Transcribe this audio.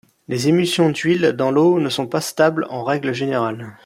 Les émulsions d'huile dans l'eau ne sont pas stables en règle générale.